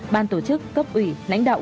ban tổ chức cấp ủy lãnh đạo